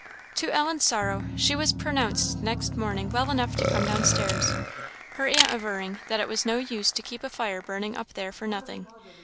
To Ellen's sorrow, she was pronounced next morning well enough to come downstairs; her aunt averring that "it was no use to keep a fire burning up there for nothing."